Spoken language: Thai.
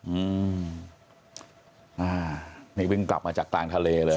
อืมอ่านี่วิ่งกลับมาจากกลางทะเลเลย